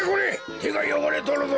てがよごれとるぞ。